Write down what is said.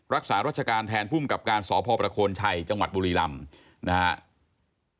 รักษารัชการแทนภูมิกับการสพประโคนชัยจังหวัดบุรีลำนะครับ